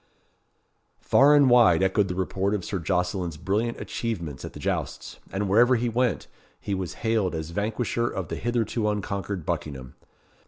Far and wide echoed the report of Sir Jocelyn's brilliant achievements at the jousts; and wherever he went, he was hailed as vanquisher of the hitherto unconquered Buckingham.